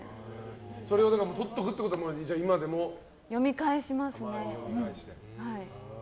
それをとっておくってことは今でも？読み返しますね。